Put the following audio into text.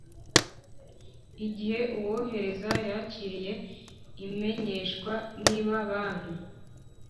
Igihe uwohereza yakiriye imenyeshwa niba banki